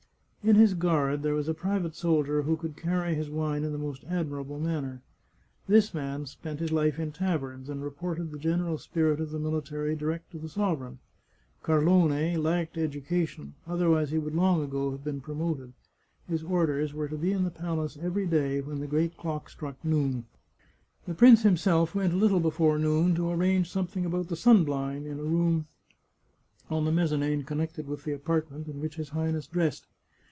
In his guard there was a private soldier who could carry his wine in the most admirable manner. This man spent his life in taverns, and reported the general spirit of the mili tary direct to the sovereign. Carlone lacked education, otherwise he would long ago have been promoted. His orders were to be in the palace every day when the g^eat clock struck noon. 145 The Chartreuse of Parma The prince himself went a little before noon to arrange something about the sun blind in a room on the mezzanine connected with the apartment in which his Highness dressed.